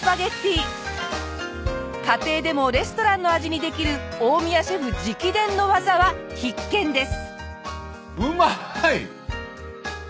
家庭でもレストランの味にできる大宮シェフ直伝の技は必見です！